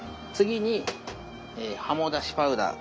次にはもだしパウダー。